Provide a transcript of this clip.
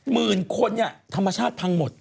หมื่นคนเนี่ยธรรมชาติพังหมด